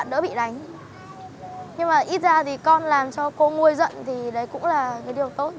khi bị bà chủ mắng không nào